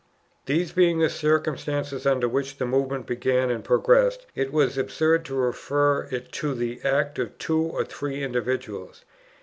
These being the circumstances under which the Movement began and progressed, it was absurd to refer it to the act of two or three individuals.